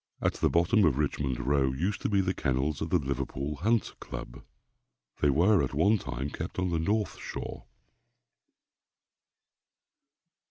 At the bottom of Richmond row used to be the kennels of the Liverpool Hunt Club. They were at one time kept on the North shore.